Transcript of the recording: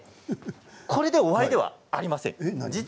これで終わりではありません。